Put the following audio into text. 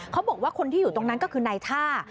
เขาบอกว่าคนที่อยู่ตรงนั้นก็คือนายท่า